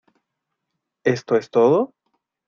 ¿Esto es todo?